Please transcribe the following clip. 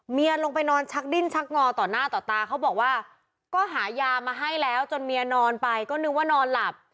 ลงไปนอนชักดิ้นชักงอต่อหน้าต่อตาเขาบอกว่าก็หายามาให้แล้วจนเมียนอนไปก็นึกว่านอนหลับ